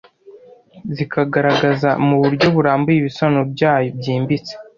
zikagaragaza mu buryo burambuye ibisobanuro byabyo byimbitse